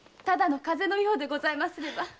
ただの風邪のようでございますれば。